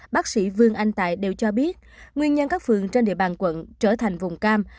bác sĩ vương anh tài đều cho biết nguyên nhân các phường trên địa bàn quận trở thành vùng cam